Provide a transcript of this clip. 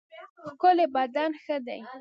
ښکلی بدن ښه دی.